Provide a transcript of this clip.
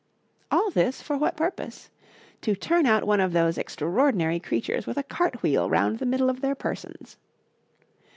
All this, for what purpose? To turn out one of those extraordinary creatures with a cart wheel round the middle of their persons.